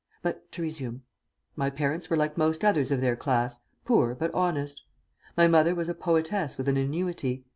But to resume. My parents were like most others of their class, poor but honest. My mother was a poetess with an annuity.